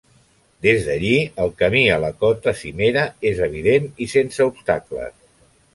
Des d'allí el camí a la cota cimera és evident i sense obstacles.